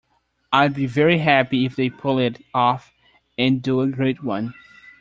'I'd be very happy if they pull it off and do a great one'"".